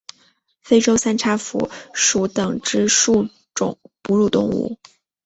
非洲三叉蝠属等之数种哺乳动物。